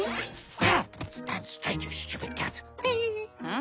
ん？